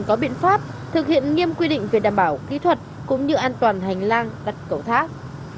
có biện pháp thực hiện nghiêm quy định về đảm bảo kỹ thuật cũng như an toàn hành lang đặt cầu thác